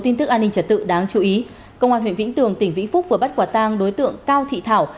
tin tức an ninh trật tự đáng chú ý công an huyện vĩnh tường tỉnh vĩnh phúc vừa bắt quả tang đối tượng cao thị thảo